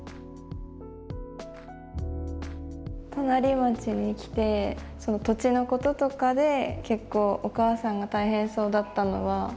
隣町に来て土地のこととかで結構お母さんが大変そうだったのは記憶にあって。